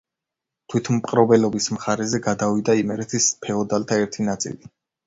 თვითმპყრობელობის მხარეზე გადავიდა იმერეთის ფეოდალთა ერთი ნაწილი.